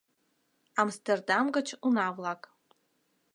Амстердам гыч уна-влак!